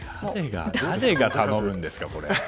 誰が頼むんですか、これ。